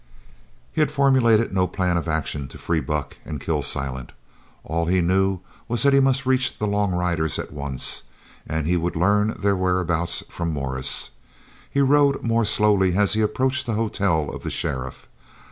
He had formulated no plan of action to free Buck and kill Silent. All he knew was that he must reach the long riders at once, and he would learn their whereabouts from Morris. He rode more slowly as he approached the hotel of the sheriff.